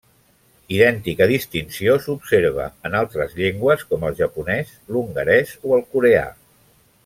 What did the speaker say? Idèntica distinció s'observa en altres llengües com el japonès, l'hongarès o el coreà.